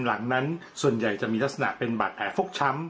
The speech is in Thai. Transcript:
หลังนั้นส่วนใหญ่จะมีลักษณะเป็นบาดแผลฟกช้ำ